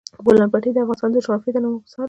د بولان پټي د افغانستان د جغرافیوي تنوع مثال دی.